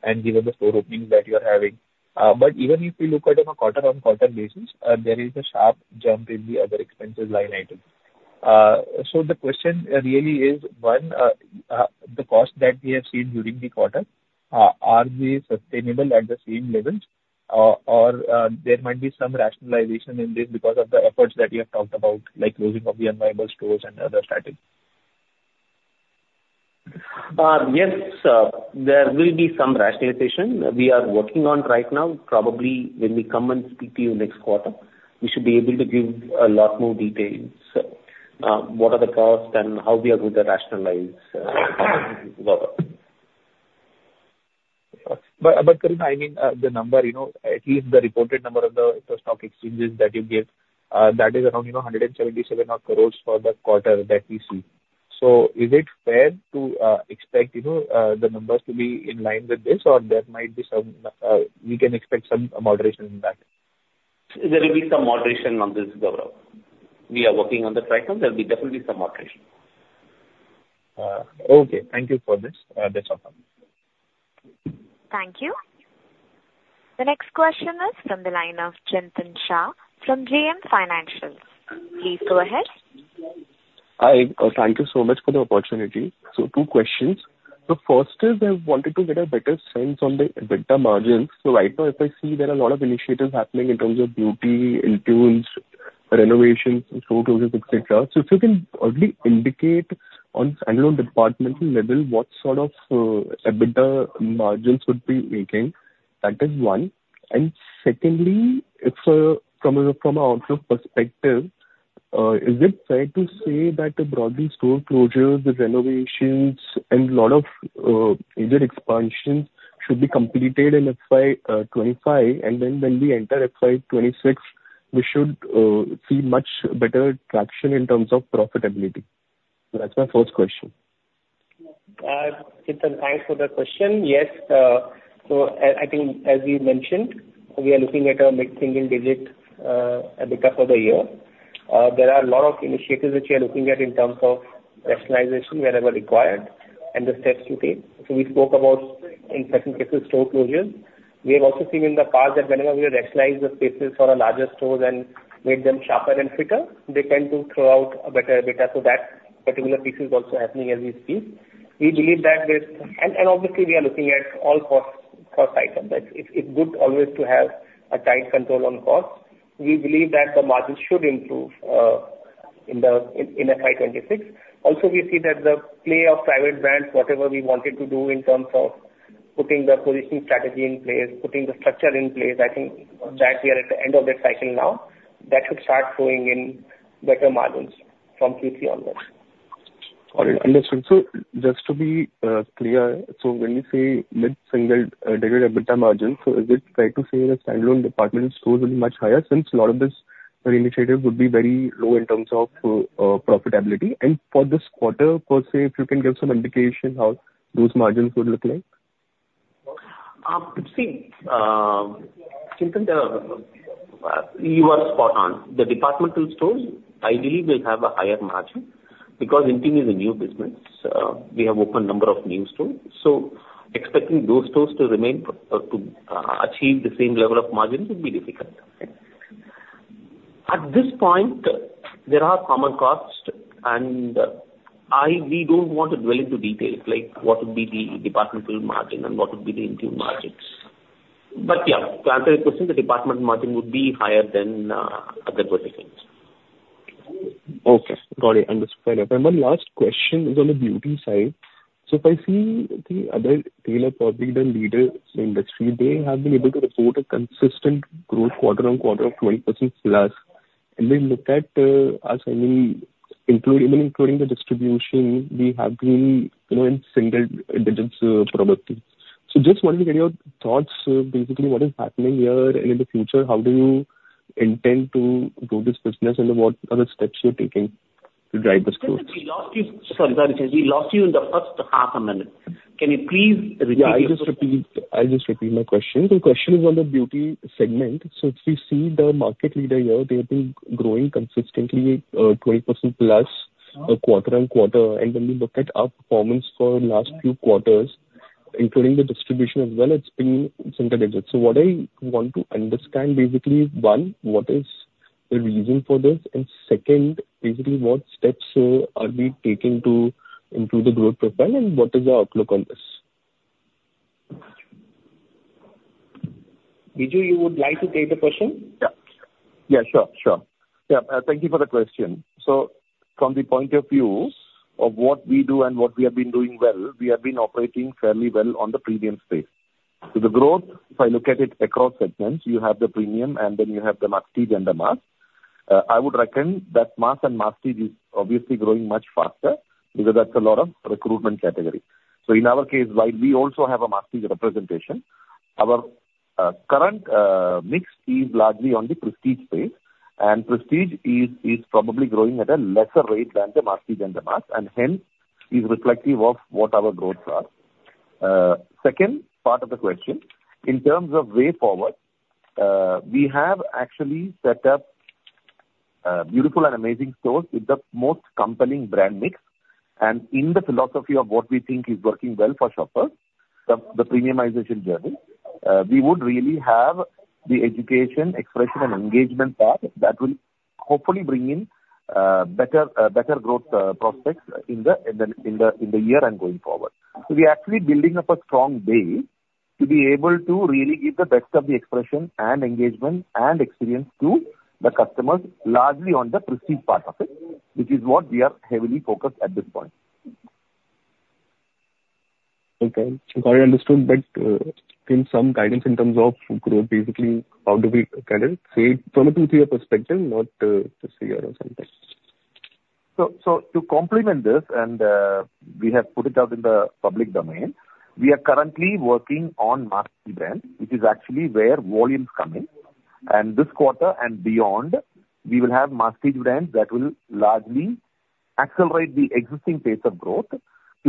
Speaker 8: and given the store openings that you're having. But even if we look at it on a quarter-on-quarter basis, there is a sharp jump in the other expenses line item. So the question really is, one, the cost that we have seen during the quarter, are they sustainable at the same levels, or there might be some rationalization in this because of the efforts that you have talked about, like closing of the unviable stores and other strategies?
Speaker 3: Yes, there will be some rationalization. We are working on right now. Probably when we come and speak to you next quarter, we should be able to give a lot more details, what are the costs and how we are going to rationalize, Gaurav.
Speaker 8: But, but Kavi, I mean, the number, you know, at least the reported number of the, the stock exchanges that you gave, that is around, you know, 177 crore for the quarter that we see. So is it fair to expect, you know, the numbers to be in line with this, or there might be some, we can expect some moderation in that?
Speaker 3: There will be some moderation on this, Gaurav. We are working on this right now. There will be definitely some moderation.
Speaker 8: Okay. Thank you for this. That's all from me.
Speaker 1: Thank you. The next question is from the line of Chintan Shah from JM Financial. Please go ahead.
Speaker 9: Hi. Thank you so much for the opportunity. So two questions. The first is, I wanted to get a better sense on the EBITDA margins. So right now, if I see there are a lot of initiatives happening in terms of beauty, INTUNE, renovations, and store closures, et cetera. So if you can broadly indicate on, I don't know, departmental level, what sort of EBITDA margins would be making? That is one. And secondly, from a, from an outlook perspective, is it fair to say that the broadly store closures, the renovations, and lot of major expansions should be completed in FY 2025, and then when we enter FY 2026, we should see much better traction in terms of profitability? So that's my first question.
Speaker 3: Chintan, thanks for the question. Yes, so, I think as we mentioned, we are looking at a mid-single digit EBITDA for the year. There are a lot of initiatives which we are looking at in terms of rationalization wherever required, and the steps to take. So we spoke about, in certain cases, store closures. We have also seen in the past that whenever we rationalize the spaces for our larger stores and make them sharper and fitter, they tend to throw out a better EBITDA, so that particular piece is also happening as we speak. We believe that this. And obviously we are looking at all cost items. It's good always to have a tight control on cost. We believe that the margin should improve in FY 2026. Also, we see that the play of private brands, whatever we wanted to do in terms of putting the positioning strategy in place, putting the structure in place, I think that we are at the end of that cycle now. That should start showing in better margins from Q3 onwards.
Speaker 9: All right. Understood. So just to be clear, so when you say mid-single digit EBITDA margin, so is it fair to say that standalone departmental stores will be much higher, since a lot of this initiatives would be very low in terms of profitability? And for this quarter, per se, if you can give some indication how those margins would look like.
Speaker 3: See, Chintan, you are spot on. The department stores, I believe, will have a higher margin, because INTUNE is a new business. We have opened number of new stores, so expecting those stores to remain to achieve the same level of margins would be difficult. At this point, there are common costs, and I - we don't want to dwell into details, like what would be the department margin and what would be the INTUNE margins. But yeah, to answer your question, the department margin would be higher than other verticals.
Speaker 9: Okay, got it. Understood. And my last question is on the beauty side. So if I see the other retailer, probably the leaders in the industry, they have been able to report a consistent growth quarter on quarter of 20% plus. And we look at, as I mean, including, even including the distribution, we have been, you know, in single digits, probably. So just wanted to get your thoughts, basically, what is happening here, and in the future, how do you intend to grow this business, and what are the steps you're taking to drive this growth?
Speaker 3: We lost you. Sorry, we lost you in the first half a minute. Can you please repeat the question?
Speaker 9: Yeah, I'll just repeat, I'll just repeat my question. The question is on the beauty segment. So if we see the market leader here, they have been growing consistently, 20% plus, quarter-on-quarter. And when we look at our performance for last few quarters, including the distribution as well, it's been single digits. So what I want to understand basically, one, what is the reason for this? And second, basically, what steps are we taking to improve the growth profile, and what is the outlook on this?
Speaker 3: Biju, you would like to take the question?
Speaker 10: Yeah. Yeah, sure, sure. Yeah, thank you for the question. So from the point of view of what we do and what we have been doing well, we have been operating fairly well on the premium space. So the growth, if I look at it across segments, you have the premium, and then you have the prestige and the mass. I would reckon that mass and prestige is obviously growing much faster because that's a lot of recruitment category. So in our case, while we also have a prestige representation, our current mix is largely on the prestige space, and prestige is probably growing at a lesser rate than the prestige and the mass, and hence, is reflective of what our growths are. Second part of the question, in terms of way forward, we have actually set up beautiful and amazing stores with the most compelling brand mix. In the philosophy of what we think is working well for shoppers, the premiumization journey, we would really have the education, expression, and engagement path that will hopefully bring in better growth prospects in the year and going forward. So we are actually building up a strong base to be able to really give the best of the expression and engagement and experience to the customers, largely on the prestige part of it, which is what we are heavily focused at this point.
Speaker 9: Okay. So I understood, but still some guidance in terms of growth. Basically, how do we kind of say from a retail perspective, not just here or something.
Speaker 10: So, to complement this, we have put it out in the public domain. We are currently working on prestige brand, which is actually where volumes come in. This quarter and beyond, we will have prestige brands that will largely accelerate the existing pace of growth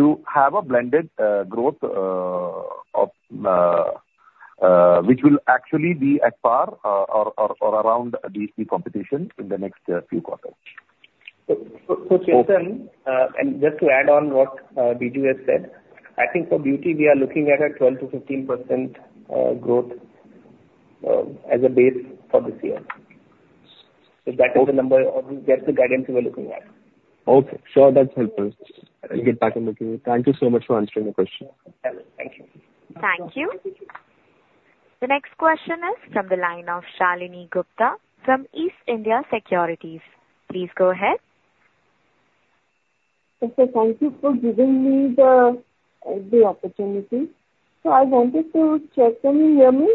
Speaker 10: to have a blended growth of which will actually be at par or around the competition in the next few quarters.
Speaker 3: So, Chintan-Okay. Just to add on what Biju has said, I think for beauty, we are looking at a 12%-15% growth as a base for this year. That is the number or that's the guidance we are looking at.
Speaker 4: Okay. Sure, that's helpful. I'll get back on with you. Thank you so much for answering the question.
Speaker 3: Thank you.
Speaker 1: Thank you. The next question is from the line of Shalini Gupta from East India Securities. Please go ahead.
Speaker 11: Okay, thank you for giving me the opportunity. So I wanted to check, can you hear me?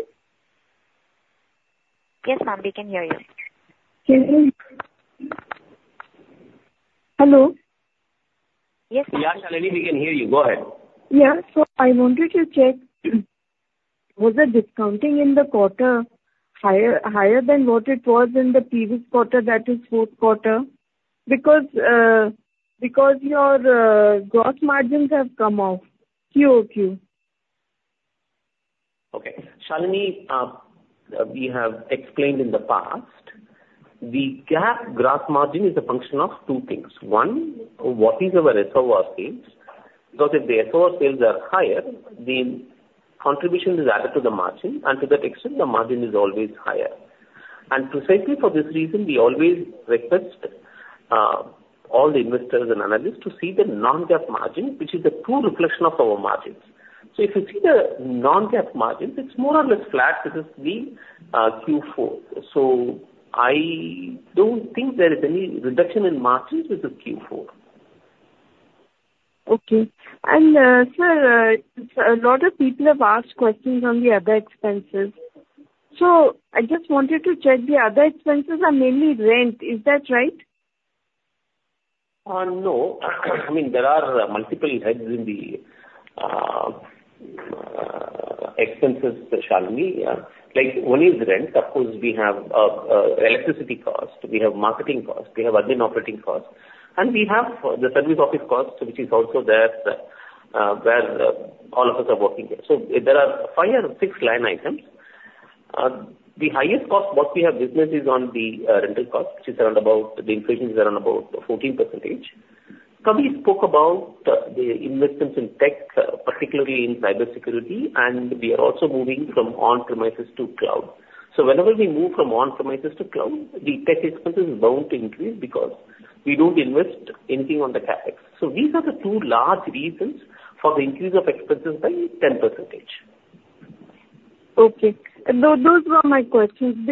Speaker 1: Yes, ma'am, we can hear you.
Speaker 11: Hello?
Speaker 1: Yes.
Speaker 3: Yeah, Shalini, we can hear you. Go ahead.
Speaker 11: Yeah. So I wanted to check, was the discounting in the quarter higher, higher than what it was in the previous quarter, that is Quarter 4? Because, because your, gross margins have come off Q-over-Q.
Speaker 3: Okay. Shalini, we have explained in the past, the GAAP gross margin is a function of two things. One, what is our SOR sales? Because if the SOR sales are higher, the contribution is added to the margin, and to that extent, the margin is always higher. And precisely for this reason, we always request all the investors and analysts to see the non-GAAP margin, which is the true reflection of our margins. So if you see the non-GAAP margins, it's more or less flat with the Q4. So I don't think there is any reduction in margins with the Q4.
Speaker 11: Okay. And, sir, so a lot of people have asked questions on the other expenses. So I just wanted to check, the other expenses are mainly rent, is that right?
Speaker 3: No. I mean, there are multiple heads in the expenses, Shalini. Like, one is rent. Of course, we have electricity cost, we have marketing cost, we have admin operating cost, and we have the service office cost, which is also there, where all of us are working here. So there are 5 or 6 line items. The highest cost what we have witnessed is on the rental cost, which is around about, the increase is around about 14%. So we spoke about the investments in tech, particularly in cybersecurity, and we are also moving from on-premises to cloud. So whenever we move from on-premises to cloud, the tech expenses are bound to increase because we don't invest anything on the CapEx. So these are the two large reasons for the increase of expenses by 10%.
Speaker 11: Okay. Those were my questions.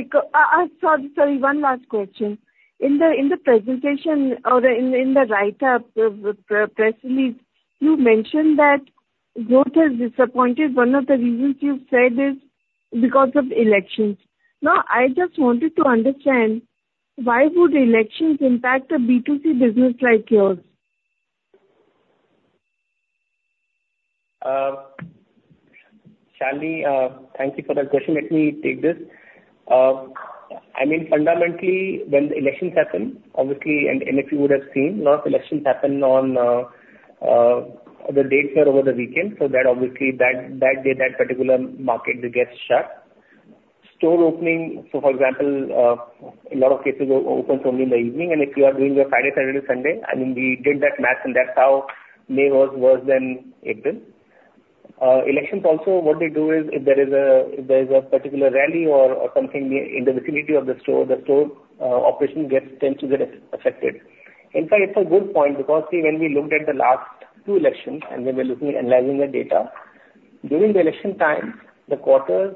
Speaker 11: Sorry, one last question. In the presentation or in the write-up, press release, you mentioned that growth has disappointed. One of the reasons you've said is because of elections. Now, I just wanted to understand why would elections impact a B2C business like yours?
Speaker 3: Shalini, thank you for that question. Let me take this. I mean, fundamentally, when the elections happen, obviously, and, and if you would have seen, lot of elections happen on the dates are over the weekend, so that obviously that day, that particular market gets shut. Store opening, so for example, a lot of cases are open only in the evening, and if you are doing your Friday, Saturday, Sunday, I mean, we did that math, and that's how May was worse than April. Elections also, what they do is, if there is a particular rally or something near, in the vicinity of the store, the store operation gets tends to get affected. In fact, it's a good point because see, when we looked at the last two elections, and when we're looking at analyzing the data, during the election time, the quarters,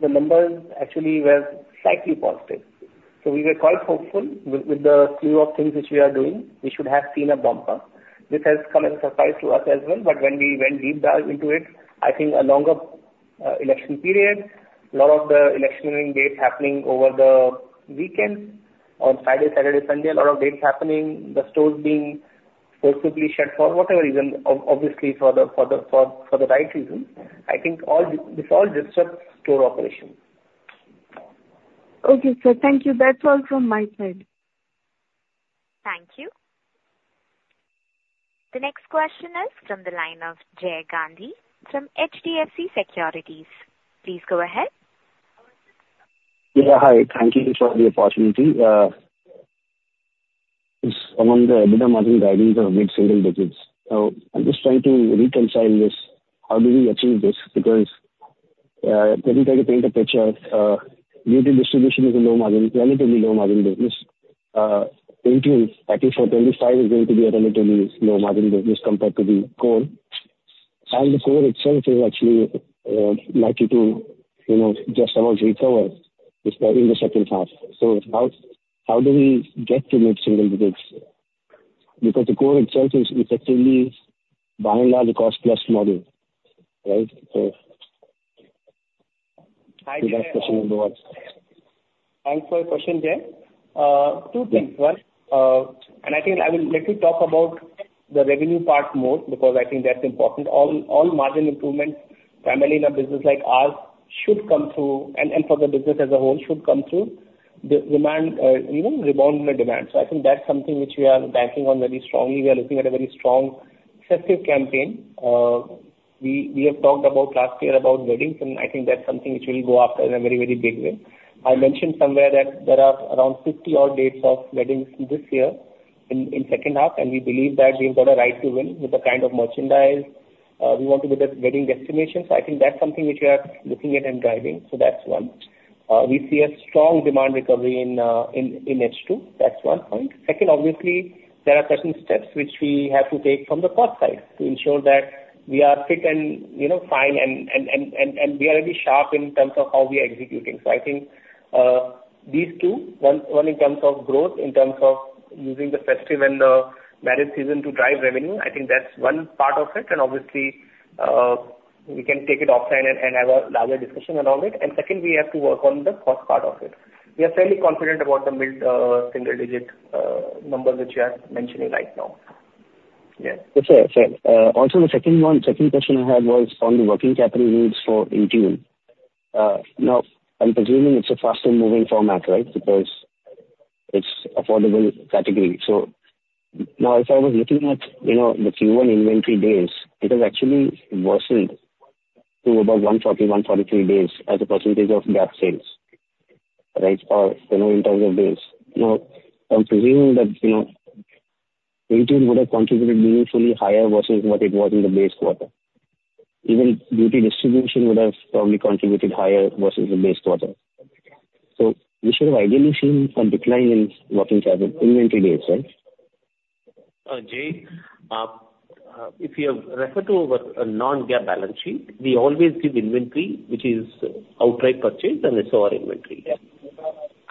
Speaker 3: the numbers actually were slightly positive. So we were quite hopeful with, with the slew of things which we are doing, we should have seen a bumper. This has come as a surprise to us as well, but when we went deep dive into it, I think a longer election period, lot of the election dates happening over the weekend, on Friday, Saturday, Sunday, a lot of dates happening, the stores being forcibly shut for whatever reason, obviously for the right reason. I think this all disrupts store operations.
Speaker 11: Okay, sir, thank you. That's all from my side.
Speaker 1: Thank you. The next question is from the line of Jay Gandhi from HDFC Securities. Please go ahead.
Speaker 12: Yeah, hi. Thank you for the opportunity. Just among the EBITDA margin guiding the mid-single digits. I'm just trying to reconcile this. How do we achieve this? Because, let me try to paint a picture. Beauty distribution is a low margin, relatively low margin business. INTUNE, I think for 2025 is going to be a relatively low margin business compared to the core. And the core itself is actually, likely to, you know, just about recover, especially in the second half. So how, how do we get to mid-single digits? Because the core itself is effectively, by and large, a cost-plus model, right? So-
Speaker 3: Hi, Jay.
Speaker 12: That's the question number one.
Speaker 3: Thanks for your question, Jay. Two things.
Speaker 12: Yeah.
Speaker 3: One, and I think I will likely talk about the revenue part more, because I think that's important. All, all margin improvements, primarily in a business like ours, should come through, and, and for the business as a whole, should come through the demand, you know, rebound in the demand. So I think that's something which we are banking on very strongly. We are looking at a very strong festive campaign. We have talked about last year about weddings, and I think that's something which we'll go after in a very, very big way. I mentioned somewhere that there are around 50 odd dates of weddings this year, in second half, and we believe that we've got a right to win with the kind of merchandise. We want to be the wedding destination. So I think that's something which we are looking at and driving. So that's one. We see a strong demand recovery in H2. That's one point. Second, obviously, there are certain steps which we have to take from the cost side to ensure that we are fit and, you know, fine, and we are a bit sharp in terms of how we are executing. So I think these two, one in terms of growth, in terms of using the festive and the marriage season to drive revenue, I think that's one part of it. And obviously, we can take it offline and have a larger discussion around it. And second, we have to work on the cost part of it. We are fairly confident about the mid single digit number which you are mentioning right now
Speaker 12: Okay, fair. Also the second one, second question I had was on the working capital needs for INTUNE. Now, I'm presuming it's a faster moving format, right? Because it's affordable category. So now, if I was looking at, you know, the Q1 inventory days, it has actually worsened to about 140, 143 days as a percentage of GAAP sales, right? Or, you know, in terms of days. Now, I'm presuming that, you know, INTUNE would have contributed meaningfully higher versus what it was in the base quarter. Even beauty distribution would have probably contributed higher versus the base quarter. So we should have ideally seen a decline in working capital inventory days, right?
Speaker 3: Jay, if you have referred to our non-GAAP balance sheet, we always give inventory, which is outright purchase, and it's our inventory.
Speaker 12: Yes.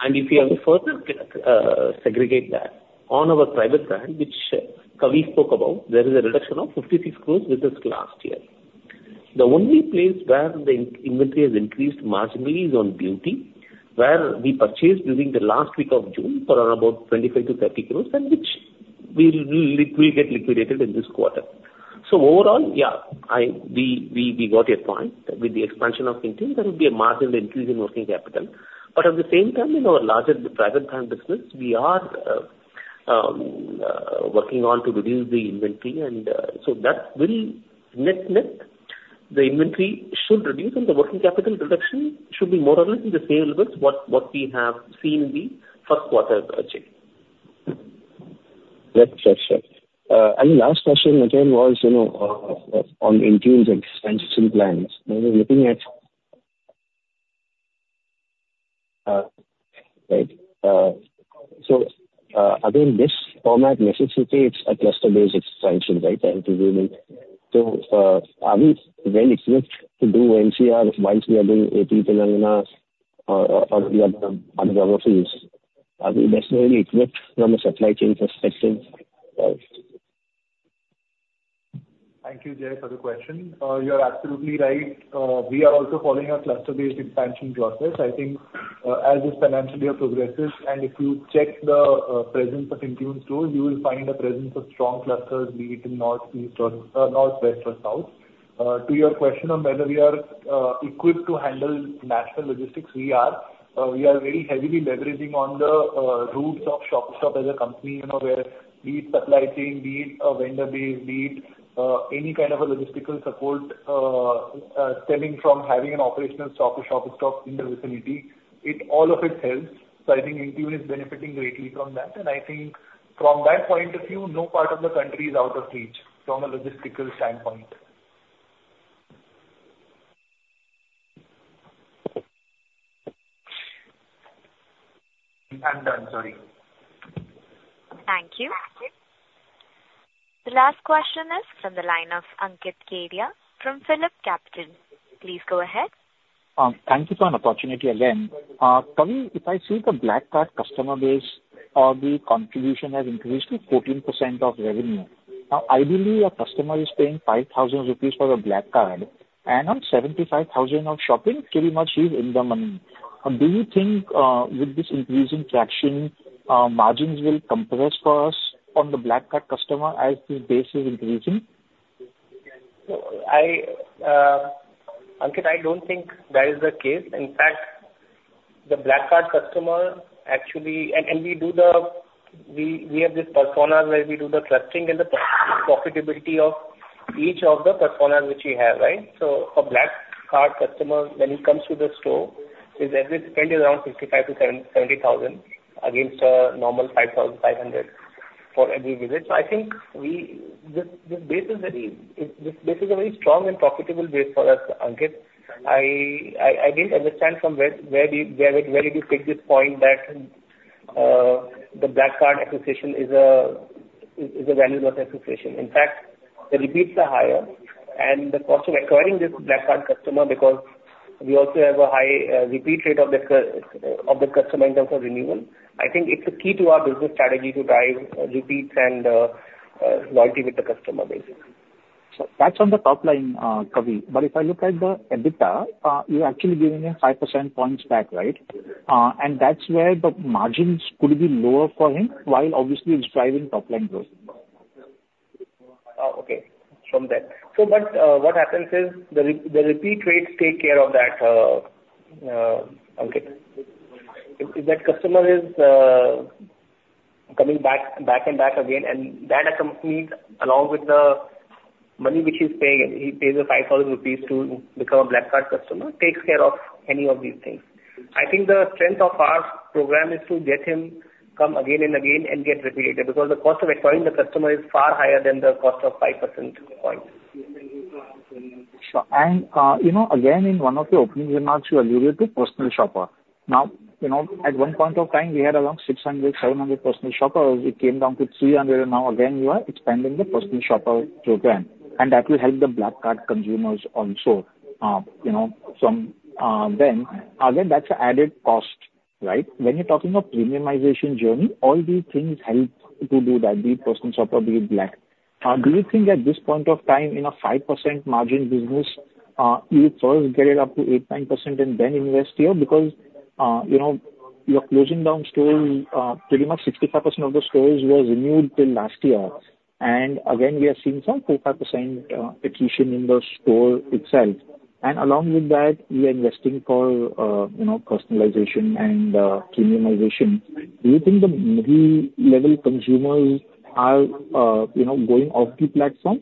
Speaker 3: If you have to further segregate that, on our private brand, which Kavi spoke about, there is a reduction of 56 crore business last year. The only place where the inventory has increased marginally is on beauty, where we purchased during the last week of June for about 25-30 crore, and which we will get liquidated in this quarter. So overall, yeah, we got your point. With the expansion of Intune, there will be a marginal increase in working capital. But at the same time, in our larger private brand business, we are working on to reduce the inventory, and so that will net the inventory should reduce, and the working capital reduction should be more or less in the same with what we have seen in the Quarter 1, Jay.
Speaker 12: That's for sure. And the last question again was, you know, on Intune's expansion plans. You know, looking at- right, so, again, this format necessitates a cluster-based expansion, right, I'm presuming. So, are we well equipped to do NCR while we are doing AP Telanganas, or, other geographies? Are we necessarily equipped from a supply chain perspective?
Speaker 5: Thank you, Jay, for the question. You are absolutely right. We are also following a cluster-based expansion process. I think, as this financial year progresses, and if you check the presence of Intune stores, you will find a presence of strong clusters, be it in north, east or north, west or south. To your question on whether we are equipped to handle national logistics, we are. We are very heavily leveraging on the routes of Shoppers Stop as a company, you know, where be it supply chain, be it a vendor base, be it any kind of a logistical support stemming from having an operational shop of Shoppers Stop in the vicinity. It all of it helps. So I think INTUNE is benefiting greatly from that, and I think from that point of view, no part of the country is out of reach from a logistical standpoint. I'm done. Sorry.
Speaker 1: Thank you. The last question is from the line of Ankit Kedia from Phillip Capital. Please go ahead.
Speaker 13: Thank you for an opportunity again. Kavi, if I see the Black Card customer base, the contribution has increased to 14% of revenue. Now, ideally, a customer is paying 5,000 rupees for a Black Card, and on 75,000 of shopping, pretty much he's in the money. Do you think, with this increasing traction, margins will compress for us on the Black Card customer as the base is increasing?
Speaker 3: So I, Ankit, I don't think that is the case. In fact, the Black Card customer actually. And we have this persona where we do the clustering and the profitability of each of the personas which we have, right? So a Black Card customer, when he comes to the store, his average spend is around 55,000-70,000, against a normal 5,500 for every visit. So I think we, the base is very, this base is a very strong and profitable base for us, Ankit. I didn't understand from where, where we, where you pick this point that the Black Card acquisition is a value-less acquisition. In fact, the repeats are higher and the cost of acquiring this Black Card customer, because we also have a high repeat rate of the customer in terms of renewal. I think it's a key to our business strategy to drive repeats and loyalty with the customer basically.
Speaker 13: So that's on the top line, Kavi. But if I look at the EBITDA, you're actually giving a five percentage points back, right? And that's where the margins could be lower for him, while obviously it's driving top line growth.
Speaker 3: Okay. From there. But, what happens is, the repeat rates take care of that, Ankit. If that customer is coming back, back and back again, and that accompanied along with the money which he's paying, he pays 5,000 rupees to become a Black Card customer, takes care of any of these things. I think the strength of our program is to get him come again and again and get repeated, because the cost of acquiring the customer is far higher than the cost of 5 percentage points.
Speaker 13: Sure. And, you know, again, in one of your opening remarks, you alluded to personal shopper. Now, you know, at one point of time, we had around 600, 700 personal shoppers. It came down to 300, and now again, you are expanding the personal shopper program, and that will help the Black Card consumers also. You know, from, them, then that's an added cost.... Right? When you're talking of premiumization journey, all these things help to do that, be it personal shopper, be it black. Do you think at this point of time, in a 5% margin business, you first get it up to 8%-9% and then invest here? Because, you know, you're closing down stores, pretty much 65% of the stores was renewed till last year, and again, we are seeing some 4-5% attrition in the store itself. And along with that, we are investing for, you know, personalization and, premiumization. Do you think the mid-level consumers are, you know, going off the platform?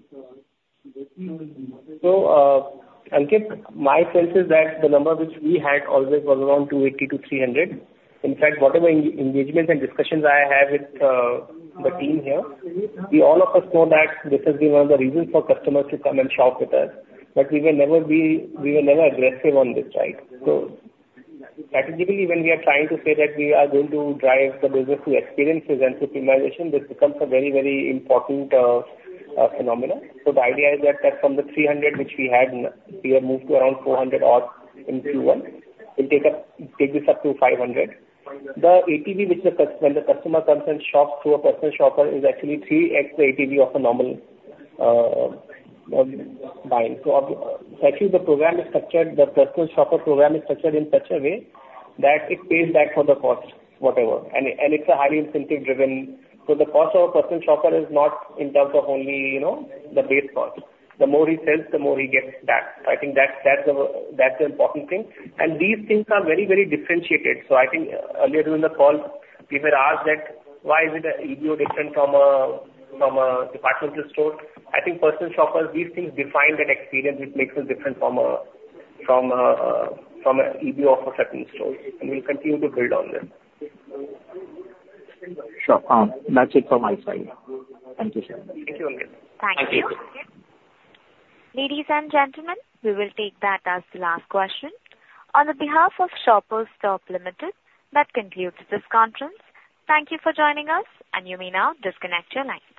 Speaker 3: So, Ankit, my sense is that the number which we had always was around 280-300. In fact, whatever engagements and discussions I have with the team here, we all of us know that this has been one of the reasons for customers to come and shop with us, but we were never aggressive on this, right? So strategically, when we are trying to say that we are going to drive the business through experiences and through premiumization, this becomes a very, very important phenomenon. So the idea is that from the 300 which we had, we have moved to around 400 odd in Q1. We'll take this up to 500. The ATV, which when the customer comes and shops through a personal shopper, is actually 3x the ATV of a normal buy. So actually, the program is structured, the personal shopper program is structured in such a way that it pays back for the cost, whatever, and it, and it's a highly incentive driven. So the cost of a personal shopper is not in terms of only, you know, the base cost. The more he sells, the more he gets back. I think that's, that's the, that's the important thing. And these things are very, very differentiated. So I think earlier in the call, we were asked that why is it that EBO different from a, from a departmental store? I think personal shoppers, these things define an experience which makes us different from a EBO of a certain store, and we'll continue to build on them.
Speaker 13: Sure. That's it from my side. Thank you, sir.
Speaker 3: Thank you, Ankit.
Speaker 13: Thank you.
Speaker 1: Thank you. Ladies and gentlemen, we will take that as the last question. On behalf of Shoppers Stop Limited, that concludes this conference. Thank you for joining us, and you may now disconnect your lines.